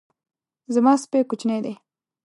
زما سپی کوچنی دی